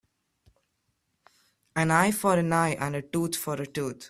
An eye for an eye and a tooth for a tooth.